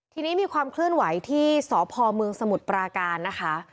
ทีนี้มีความเคลื่อนไหวที่สพเมืองสมุทรปราการนะคะ